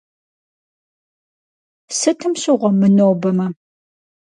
Сытым щыгъуэ, мынобэмэ?